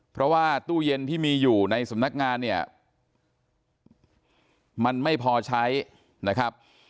เพราะว่าตู้เย็นที่มีอยู่ในสำนักงานเนี่ยมันไม่พอใช้นะครับ